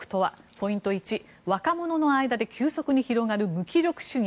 ポイント１若者の間で急速に広がる無気力主義